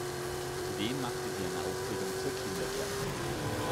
Zudem machte sie eine Ausbildung zur Kindergärtnerin.